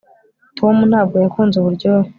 tom ntabwo yakunze uburyohe